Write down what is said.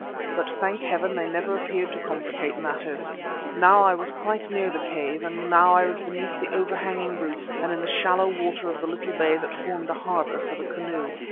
But thank Heaven they never appeared to complicate matters. Now I was quite near the cave, and now I was beneath the overhanging roof and in the shallow water of the little bay that formed a harbour for the canoe.